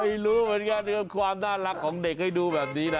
ไม่รู้เหมือนกันนะครับความน่ารักของเด็กให้ดูแบบนี้นะ